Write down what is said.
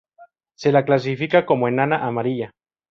Se la clasifica como enana amarilla.